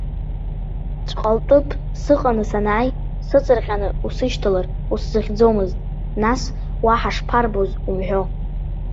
Цәҟалҭыԥ сыҟаны санааи, сыҵырҟьаны усышьҭалар узсыхьӡомызт, нас уа ҳашԥарбоз умҳәо.